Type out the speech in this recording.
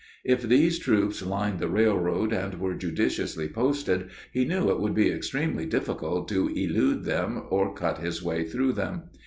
If these troops lined the railroad and were judiciously posted, he knew it would be extremely difficult to elude them or cut his way through them.